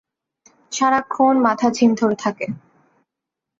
সারাক্ষণ মাথা ঝিম ধরে থাকে।